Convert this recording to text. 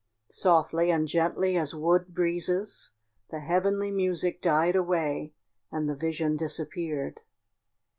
Softly and gently as wood breezes the heavenly music died away and the vision disappeared.